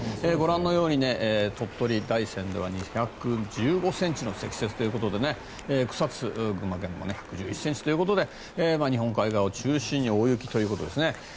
ご覧のように鳥取・大山では２１５ｃｍの積雪ということで草津も１１１ｃｍということで日本海側を中心に大雪ということですね。